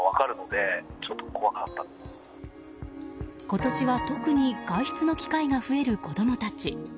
今年は特に外出の機会が増える子供たち。